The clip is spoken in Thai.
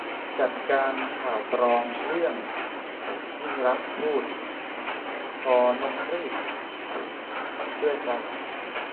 จัดการข่าวปลอมเรื่อง ยิ่งลักษณ์พูดว่า คอ-นก-รีต ด้วยครับ